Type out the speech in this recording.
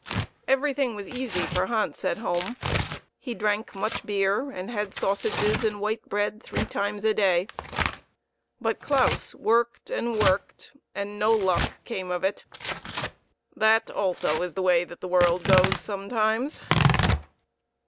Everything was easy for Hans at home ; he drank much beer, and had sausages and white bread three times a day ; but Claus worked and worked, and no luck came of it that, also, is the way that the world goes sometimes.